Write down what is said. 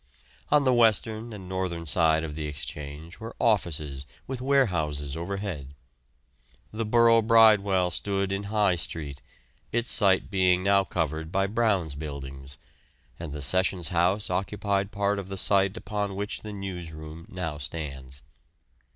On the western and northern side of the Exchange were offices with warehouses overhead. The Borough Bridewell stood in High Street, its site being now covered by Brown's Buildings, and the Sessions House occupied part of the site upon which the newsroom now stands.